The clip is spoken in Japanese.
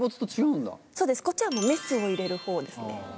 こっちはメスを入れる方ですね。